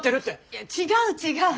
いや違う違う。